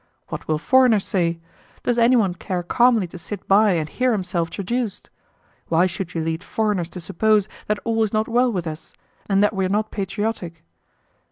What will foreigners say? Does any one care calmly to sit by and hear himself traduced? Why should you lead foreigners to suppose that all is not well with us, and that we are not patriotic?"